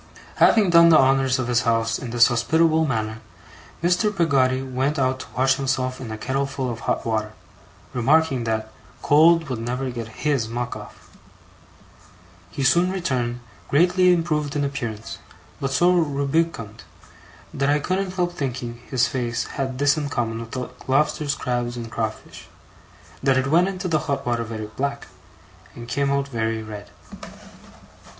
Having done the honours of his house in this hospitable manner, Mr. Peggotty went out to wash himself in a kettleful of hot water, remarking that 'cold would never get his muck off'. He soon returned, greatly improved in appearance; but so rubicund, that I couldn't help thinking his face had this in common with the lobsters, crabs, and crawfish, that it went into the hot water very black, and came out very red.